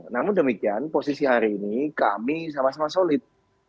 namun demikian posisi hari ini kami sama sama solid